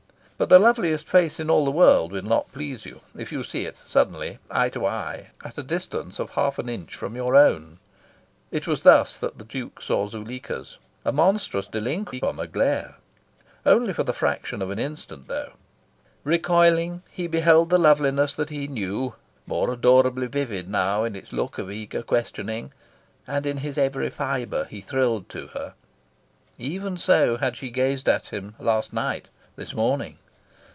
But the loveliest face in all the world will not please you if you see it suddenly, eye to eye, at a distance of half an inch from your own. It was thus that the Duke saw Zuleika's: a monstrous deliquium a glare. Only for the fraction of an instant, though. Recoiling, he beheld the loveliness that he knew more adorably vivid now in its look of eager questioning. And in his every fibre he thrilled to her. Even so had she gazed at him last night, this morning.